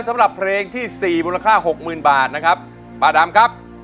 สำหรับเพลงที่สี่มูลค่าหกหมื่นบาทนะครับป้าดำครับ